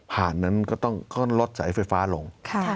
นั้นก็ต้องลดสายไฟฟ้าลง